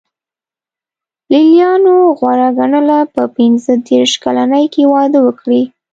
لېلیانو غوره ګڼله په پنځه دېرش کلنۍ کې واده وکړي.